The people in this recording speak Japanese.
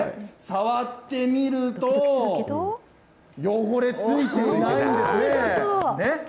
触ってみると、汚れついていないんですね。